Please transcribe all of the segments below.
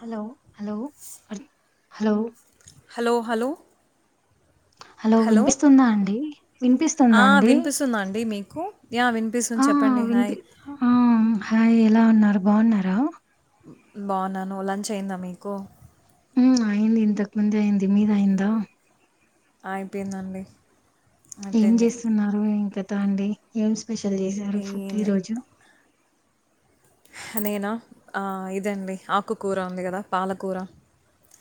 Hello hello అర్ hello hello hello hello వినిపిస్తుందా అండి వినిపిస్తుందా అండి కు యా వినిపిస్తుంది ఆ చెప్పండి హాయ్ వినిపి ఆ హాయ్ ఎలా ఉన్నారు బావున్నారా బావున్నాను లంచ్ అయిందా మీకు ఉమ్ అయింది ఇంతకు ముందే అయింది మీది అయిందా అయిపోయిందండి ఏం అయిపోయింది. జేస్తున్నారు ఇంకా అండి ఏం స్పె స్పెషల్ చేసారు ఫుడ్ ఏం ఈ లే రోజు నేనా ఆ ఇదండి ఆకుకూర ఉంది గదా పాలకూర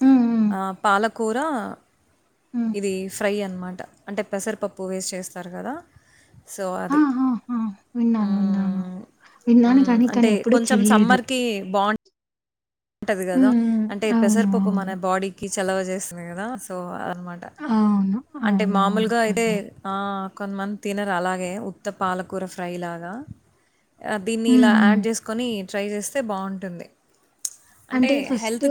ఉమ్ ఉమ్ ఆ పాలకూర ఉమ్ ఇది ఫ్రై అన్మాట అంటే పెసరపప్పు వేసి చేస్తారు కదా సో ఆ అది ఆ ఆ విన్నాను విన్నాను ఉమ్ విన్నాను ఉమ్ కానీ అంటే కానీ ఎప్పుడు కొంచెం చేయలేదు సమ్మర్ కి బాంట్ ఉంటది ఉమ్ కదా ఉమ్ అంటే అవును పెసరపప్పు మన అవును బాడీకి చలవ చేస్తుంది కదా సో అనమాట అవును అంటే అవునవును మామూలుగా అయితే అండి ఆ కొంతమంది తినరు అలాగే ఉత్త పాలకూర ఫ్రై లాగా దీన్ని ఉమ్ ఇలా ఉమ్ యాడ్ చేసుకొని ట్రై చేస్తే బాగుంటుంది అంటే ఫస్ట్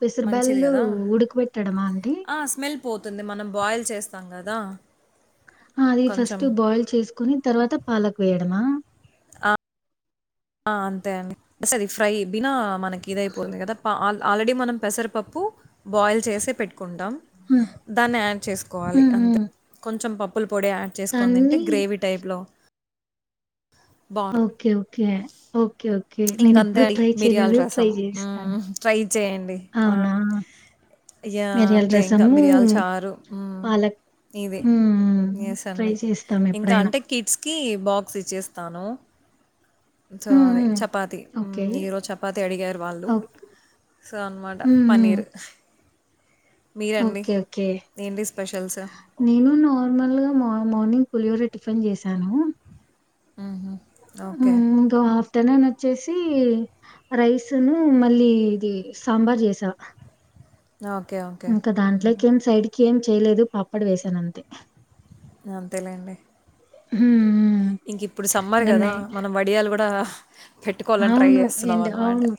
పెసర మంచిది బేలలు గదా! ఉడికి పెట్టాడమా అండి ఆ! స్మెల్ పోతుంది మనం బాయిల్ చేస్తాం కదా ఆ అది ఫస్ట్ బాయిల్ చేసుకొని తర్వాత పాలక్ వేయడమా ఆ అంతే అండి ఫస్ట్ ఫ్రై బిన మనకి కీదాయిపోతుంది కదా పాల్ ఆల్రెడీ మనం పెసరపప్పు బాయిల్ చేసే పెట్టుకుంటాం హ్మ్. దాన్ని యాడ్ చేసుకోవాలి హ్మ్. హ్మ్. అంతే కొంచెం పప్పు పొడి యాడ్ చేసుకొని తింటే దాన్ని గ్రేవీ టైప్లో ఓకే ఓకే ఓకే. ఓకే. ఇంక నేనెప్పుడు అంతే ట్రై మిరియాల చేయలేదు. ట్రై రసం చేస్తాను. ఉమ్ ట్రై చేయండి ఆ అవునా? యా మిరియాల అంతే ఇంకా రసము, మిరియాల చారు పాలక్ ఇది హ్మ్. హ్మ్. ఎస్ ట్రై అండి చేస్తాం ఇంకా ఎప్పుడైనా. అంటే కిట్స్ కి బాక్స్ ఇచ్చేస్తాను సో హ్మ్. అదే హ్మ్. చపాతి ఉమ్ ఓకే. ఈరోజు చపాతి అడిగారు వాళ్ళు ఓక్ సో అన్నమాట హ్మ్. హ్మ్. పన్నీరు ఓకే ఓకే ఏంటి స్పెషల్స్ నేను నార్మల్ గా మార్నింగ్ పులిహోరా టిఫిన్ చేశాను ఉహూ ఉ గ పట్టన న వచ్చేసి రైస్ ను మళ్ళీ ఇది సాంబార్ చేసా ఓకే ఓకే ఇంకా మ్మ్. దాంట్లోకి ఏం సైడ్ క ఏం చేయలేదు పాపడ్ వేసానంతే అ అంతేలేండి హ ఇంక ఇప్పుడు సమ్మర్ కదా మనం వడియాలు కూడా పెట్టుకోవాలని ట్రై అవును. చేస్తున్నాం ఎండ్ అన్న మాట అవును.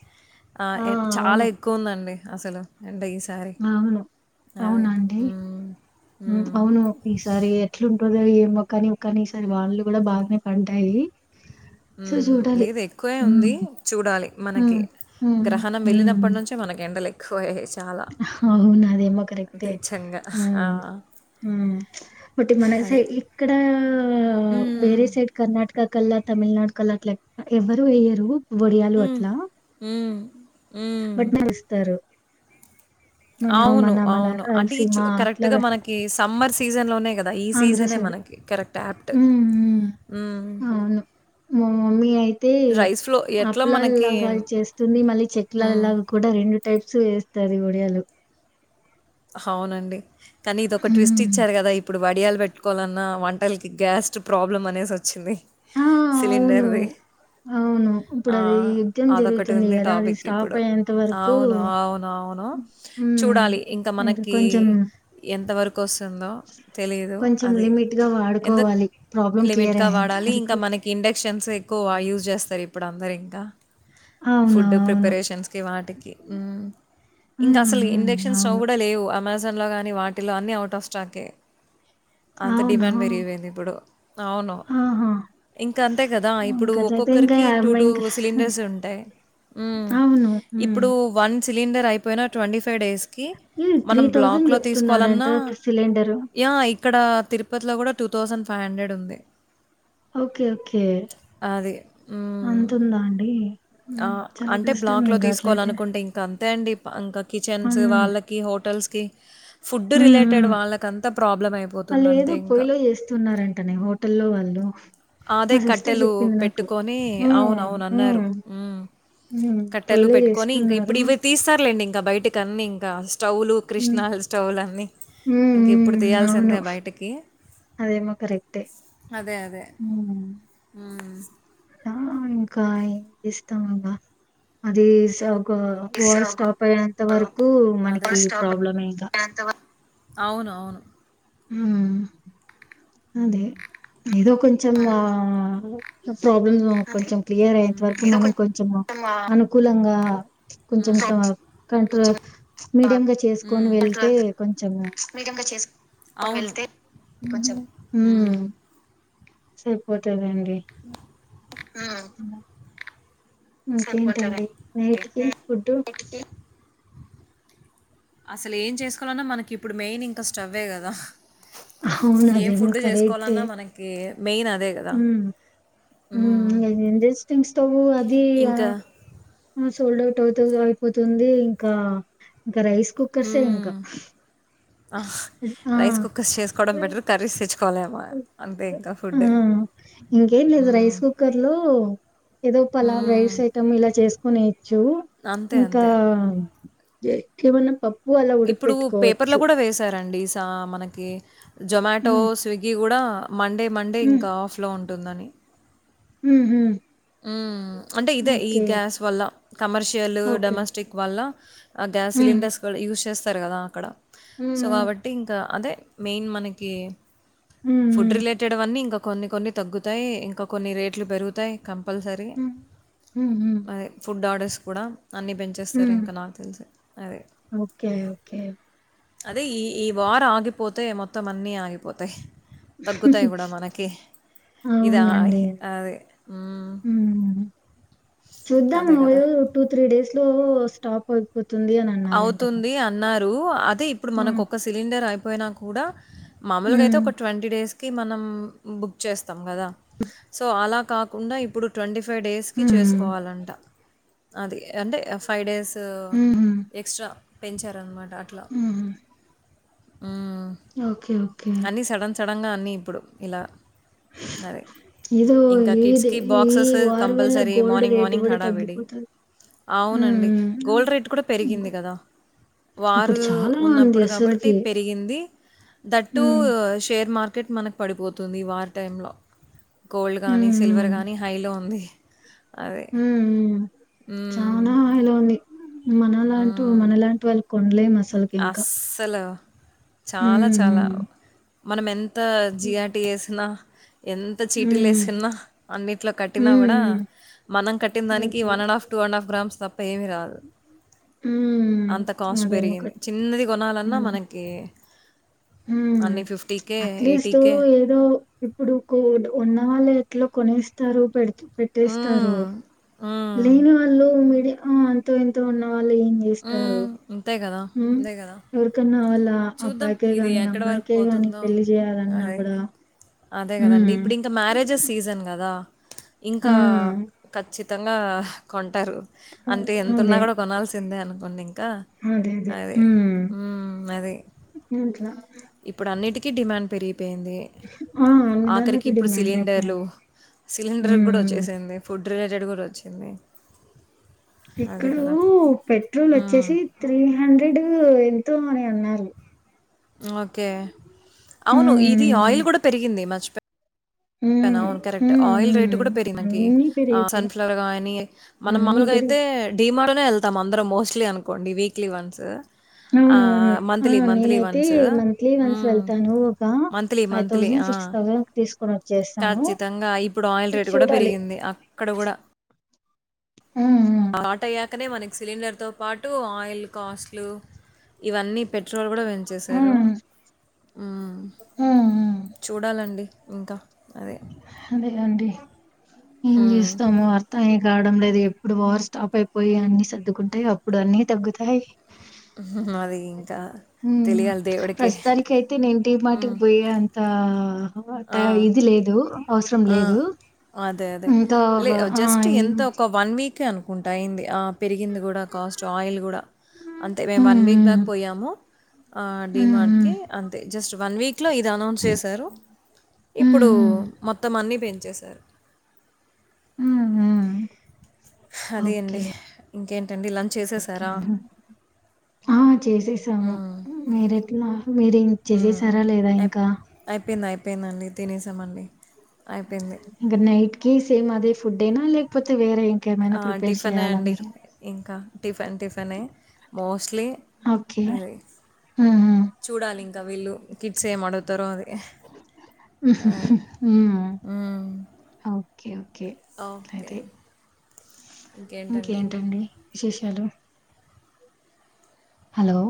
ఆ! చాలా అవును. ఎక్కువ ఉందండి అసలు ఎంట ఈ అవును అవునండి మ్మ్. మ్మ్. అవును ఈసారి ఎట్లుంటుందో ఏమో కాని కానీ ఈసారి వాళ్ళు కూడా బాగానే పంటాయి హ్మ్మ్ లేద ఎక్కువే హ్మ్. ఉంది చూడాలి మనకి హ్మ్. హ్మ్. గ్రహణం వెళ్ళినప్పటి నుంచే మనకి ఎండలే అవునా అదేమో కరెక్టే నిజంగా ఆ, బట్ మన అదే సైడ్ ఇక్కడ వేరే హ్మ్. సైడ్ కర్ణాటక టక కల్లా తమిళనాడు కల్లా అట్లా ఎవరూ య య్యరు ఆహ బట్ మీరు ఇస్తారు మన అవును మన మన అవును అంటే ఈ రాయలసీమ చ కరెక్ట్ అట్లా గా వే- మనకి సమ్మర్స్ సీజన్ లోనే ఆంధ్ర సైడ్ హ్మ్. అవును మా మమ్మీ అయితే రైస్ ఫ్లో ఎట్లా మనకి అప్పులలాగా చేస్తుంది మళ్ళీ హ్మ్. చెట్లలాగా కూడా రెండు టైప్స్ వేస్తారు లేదు అవునండి కానీ ఇది ఒక ట్విస్ట్ ఉమ్ ఇచ్చారు కదా ఇప్పుడు వడియాలు పెట్టుకోవాలన్నా వంటకి గ్యాస్ట్ ప్రాబ్ల అనేసి వచ్చింది ఆ అవును సిలిండర్ది అవును ఇప్పుడు ఆ అది యుద్ధం అదొకటి జరుగుతుంది ఉంది కదా అది టాపిక్ స్టాప్ ఇప్పుడు అయ్యేంత వరకు అవును అవును అవును ఉమ్ చూడాలి ఇంకా మనకి ఏ ఎంత వరకు కోస్తుందో తెలిదు కొంచెం అది లిమిట్‌గా ఎందు వాడుకోవాలి. ప్రాబ్లమ్ క్లియర్ లిమిట్గా అయ్యేంత వాడాలి ఇంకా వరకు. మనకి ఇండక్షన్స్ ఎక్కువ యూస్ చేస్త సరే ఇప్పుడు అందర ఇంకా అవునా! ఫుడ్ అవును. ప్రిపరేషన్స్ వాటికి ఉ ఇంకా హ్మ్. అసలు హ్మ్. ఇండక్షన్ చిన్న స్టవ్ అవును. కూడా లేవు అమజ్ జన్లో కానీ వాటిలో అన్నీ అవుట్ ఆఫ్ స్టాకే అంత అవునా! డిమాండ్ పెరిగిపోయింది ఇప్పుడు అవును ఆహా! ఇంక అంతే కదా ఇప్పుడు ఇంకట్లయితే ఇంకా ఒక్కొక్కరికి టూ యాభై టూ ఇంకా సిలిండర్స్ ఉంటాయి మ్మ్ అవును. హ్మ్. ఇప్పుడు వన్ సిలిండరైపోయిన ట్వంటీ ఫై డేస్ ఈ త్రీ థౌజండ్ చెప్తున్నారంట సిలిండరు యాహ్! ఇక్కడ తిరుపతిలో కూడా టూ థౌజండ్ ఫైవ్ హండ్రెడ్ ఉంది ఓకే ఓకే అది. హ్మ్. అంతుందా అండి ఆ హ్మ్. చాలా అంటే కష్టం బ్లాక్ లో ఇంకా అట్లయితే. తీసుకోవాలనుకుంటే ఇంక అంతే అండి ప ఇంకా కిచన్స్ హ్మ్. వాళ్ళకి హోటల్స్కి ఫుడ్ హ్మ్. రిలేటెడ్ హ్మ్. వాళ్ళకంతా ప్రాబ్లం అయిపోతుంది అంతే వాళ్ళేదో ఇంకా పొయ్యిలో చేస్తున్నారంటనే హోటల్‌లో వాళ్ళు. అదే మా సిస్టర్ కట్టెలు చెప్పింది నాకు. పెట్టుకొని అవునవును అన్నారు హ్మ్. మ్మ్ పొయిలో చేస్తున్నారు రులేండి ఇంకా బయటికన్నీ ఇంకా స్టవ్లు హ్మ్. కిరసనాయల్ స్టవులన్నీ హ్మ్ ఇంకిప్పుడూ హ్మ్. అవును. తీయాల్సిందే బయటికి అదేమో కరెక్టే. అదే అదే హ్మ్. మ్మ్ ఆ ఇంకా ఏం చేస్తాం ఇంగ అది స్టవ్ ఓ ఓర్ స్టాప్ అయ్యేంత వరకు మనకి ప్రాబ్లమే ఇంకా అవునవును మ్ అదే ఏదో కొంచెం ఆ ప్రాబ్లమ్ కొంచెం క్లియర్ అయ్యేంత హ్మ్. వరకు మనం కొంచెం అనుకూలంగా కొంచెం హ్మ్. త కంట్రోల్ మీడియంగా చేసుకొని హ్మ్. వెళ్తే కొంచెం అవున్ కొంచెం హ్మ్. మ్ సరిపోతదండి డి అ ఇంకేంటండి నైట్ కి ఫుడ్డు అసలు ఏం చేసుకోలన్నా మనకి ఇప్పుడు మెయిన్ ఇంకా స్టవ్వే కదా అవును. ఏం ఫుడ్ చేసుకోవలన్నా మనకి మెయిన్ అదే కదా మ్ మ్మ్ మ్ ఎంజేస్తున్న తబు అ అది ఆ ఇంకా హ్మ్మ్ షోల్డ్ అవుట్ అవుత అయిపోతుంది ఇంకా ఇంకా రైస్ కుక్కర్స్ మ్మ్ ఇంకా ఆ రైస్ కుక్కర్స్ చేసుకోవడం బెటర్ కర్రీస్ తెచ్చుకోలేమా అంతే ఇంకా ఫుడ్ హ్మ్మ్ ఇంకేం లేదు మ్మ్ రైస్ కుక్కర్ లో ఏదో పలా మ్మ్ రైడ్స్ ఐటమ్ ఇలా చేసుకునేయచ్చు అంతే ఇంకా అంతే కే కేవనా ప ఇప్పుడు పేపర్ లో కూడా వేసారండి త మనకి జొమాటో హ్మ్. స్విగ్గి కూడా మండే మండే ఇంకా ఆఫ్ లో ఉం అంటుందని ఉహు ఉ అంటే ఇదే ఈ గ్యాస్ వల్ల కమర్షియల్ ఓకే. డొమెస్టిక్ వల్ల ఆ గ్యాస్ హ్మ్. సిలిండర్స్ కూడా యూస్ చేస్త స్తారు కదా అక్కడ సో హ్మ్. కాబట్టి ఇంకా అదే మెయిన్ మనకి ఫుడ్ హ్మ్. రిలేటెడ్ వన్నీ ఇంకొ కొన్ని కొన్ని తగ్గుతాయి ఇంకా కొన్ని రేట్లు పెరుగుతాయి కంపల్సరీ హ్మ్. హ్మ్. హ్మ్. హ్మ్. హ్మ్. ఫుడ్ డాడర్స్ కూడా అన్నీ పెంచేస్తారు హ్మ్. ఇంకా నాకు తెలిసి అదే ఓకే. ఓకే. అదే ఈ ఈ వార్ ఆగిపోతే మొత్తం అన్నీ ఆగిపోతాయి తగ్గుతాయి కూడా మనకి ఇద అది యూ చూద్దాం అదే ఓ గదా! టూ త్రీ డేస్ లో స్టాప్ ఆయిపో అవుతుంది అన్నారు అదే ఇప్పుడు మనకు హ్మ్. ఒక సిలిండర్ ఐప్ పోయినా కూడా మామూలుగా అయితే హ్మ్. ఒక ట్వంటీ డేస్ కి మనం బుక్ చేస్తాం కదా సో అలా కాకుండా ఇప్పుడు ట్వంటీ ఫైవ్ ఫైవ్ డేస్ హ్మ్. చేసుకోవాలంట అది అంటే ఫైవ్ డేస్ త హుహు. ఎక్స్ట్రా పెంచారు డన్ మాట అట్ల హుహు. ఓకే ఓకే అన్నీ సడన్ గా అన్నీ ఇప్పుడు ఇలా అదే ఏదో ఇంకా కిడ్స్ ఇది కి ఈ బాక్సెస్ వార్ వల్ల compulsory gold morning rate morning గూడా హడాడి తగ్గిపోతది. అవును అండి హ్మ్. గోల్డ్ రేట్ కూడా పెరిగింది హ్మ్. కదా వార్ ఇప్పుడు చాలా ఉంది ఉన్నప్పుడు కాబట్టి అసలకి. పెరిగింది థాట్ టు హ్మ్. షేర్ మార్ మార్కెట్ మనకి పడిపోతుంది ఈ వార్ టైంలో గోల్డ్ కానీ హ్మ్. సిల్వర్ కానీ హైలోఉంది హుహు హ్మ్. చానా హైలో ఉంది మన లాంటి హ్మ్. మన లాంటి వాళ్ళు కొన్నలేము అస్ అస్సలు చాలా హ్మ్. చాలా మనం ఎన్ త హ్మ్. జిర్ టి ఏసినా ఎంత చీటీలు హ్మ్ వేసుకున్నా అన్నింటిలో కట్టి కూడా హ్మ్. మనం కట్టిన దానికి super. One and half two and half grams తప్ పేమీ రాదు హ్మ్. అంత కాస్ట్ అదేమో పెరిగింది కరెక్ట్. చిన్నది కొణాలన్నా మనకి ఆ అన్నీ ప్చ్ అట్లీస్ట్ ఏదో ఇప్పుడు కు ఉన్న వాళ్లే ఇట్లో కొనేస్తారు పెడుతు పెట్టేస్తారు హ్మ్. హ్మ్. లేని వాళ్ళు మీడియం ఆ అంతే ఇంతో ఉన్న వాళ్ళు ఏం చేస్తారు హ్మ్. అంతే గదా! హ అంతే గదా! ఎవర్కన్నా కావాలా చూద్దాం అబ్బాయికే ఇది గాని ఎక్కడ వరకు అమ్మాయికే గాని పోతుందో పెళ్లి చేయాలన్నా అదే కూడా అదే కదండి ఇప్పుడు ఇంకా మ్యారేజెస్ సీజన్ కదా ఆ! ఇంకా ఖచ్చితంగా కొంటారు అంతే ఎంతున్న అదే. కూడా కొనాల్సిందే అను వన్నింగ్ ఇకా అదే. అది ఊ అది ఎట్లా ఇప్పుడు అన్నిటికీ డిమాండ్ పెరిగి అయిపోయింది ఆ! అన్ని ఆఖరికి దాన్లకి ఇప్పుడు డిమాండ్ సిలిండర్లు అయిపోయింది. సిలిండర్ కూడా హ్మ్. వచ్చేసింది ఫుడ్ డ్రెజెడ్ గుడా వచ్చింది అదే ఎక్కడో కదా పెట్రోల్ మ్మ్. వచ్చేసి త్రీ హండ్రెడూ ఎం తం అని అన్నారు ఓకే అవును ఇది హ్మ్ ఆయిల్ కూడా పెరిగింది మర్చి హ్మ్ అవునవును కరెక్టే హ్మ్ ఆయిల్ రేట్ హ్మ్ కూడా పెరిగినకి అన్నీ పెరిగిపోయాయి సన్ఫ్లవర్ గాని మనం అన్నీ మామూలుగా పెరిగి అయితే డి మార్ట్ వెళ్తాం అందరం మోస్ట్లీ అనుకోండి వీక్లీ వన్స్ అవునవును ఆహ్, ఆ మంత్లీ, మంత్లీ నేనయితే వన్స్. మంత్లీ వన్స్ హ్మ్. వెళ్తాను ఒక మంత్లీ, ఫైవ్ మంత్లీ. థౌసండ్ ఆ! సిక్స్ థౌసండ్ తీసుకో ఖచ్చితంగా ఇప్పుడు ఆయిల్ రేట్ కూడా చూడాలి పెరిగింది అక్కడ కూడా హ్మ్ ఆటయ్యా అక్కనే మనకి సిలిండర్తో పాటు ఆయిల్ కాస్ట్లు ఇవన్నీ పెట్రోల్ కూడా పెంచేశారు హ్మ్ ఊ హ్మ్ హ్మ్ చూడాలండి ఇంకా అదే. అదే అండి ఏం హ్మ్. చేస్తామో అర్థం ఏ కావడం లేదు ఎప్పుడు వార్ స్టాప్ అయిపోయి అన్ని సర్దుకుంటాయో అప్పుడు అన్ని తగ్గుతాయి అది ఇంకా ఊ తెలియాలి దేవుడికే. ప్రస్తుతానికి అయితే నేను డి మార్ట్ హ్మ్. పోయాను తా ఆ! [unintelligible] ఇది లేదు అవసరం ఆ! లేదు అదే. అదే. ఇంకా ఆ ఈ కె అనుకుంటా అయింది ఆ పెరిగింది కూడా కాస్ట్ ఆయిల్ కూడా అంతే మేము వన్ వీక్ హ్మ్. బ్యాక్ పోయాము ఆ డి హ్మ్. మార్ట్ హ్మ్. కి అంతే జస్ట్ వన్ వీక్ లో ఇది అనౌన్స్ చేశారు హ్మ్. హ్మ్. ఇప్పుడు మొత్తం అన్నీ పెంచేశారు హ్మ్ హు అదే అండి ఇంకేం ఒకే రా ఆ చేసేసాము హ్మ్. మీరెట్లా మీరుం హ్మ్. చేసేసారా లేదా అయి ఇంకా అయిపోయింది. అయిపోయిందండి తినేసామండి అయిపోయింది కీ సేమ్ అదే ఫుడ్డేనా లేకపోతే వేరే ఇంకే ఇంకేమైనా ఆ! ప్రిపేర్ చేయాలా మీరు టిఫెన్ టిఫెనే మోస్ట్లీ ఓకే. అది హ్మ్. చూడాలి ఇంకా వీళ్ళు కి ఏమడుగుతారో అది ఊహ అదే. హు అవును హ్మ్. Okay okay okay. అయితే ఇంకేంటండి విశేషాలు హలో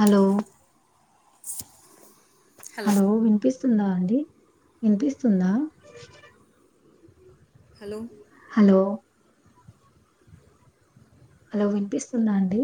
హలో హలో వినిపిస్ తుందా అండి వినిపిస్తుందా హలో హలో హలో వినిపిస్తుందా అండి